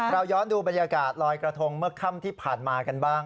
เราย้อนดูบรรยากาศลอยกระทงเมื่อค่ำที่ผ่านมากันบ้าง